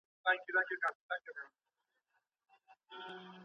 درمل بې ترخوالي نه وي.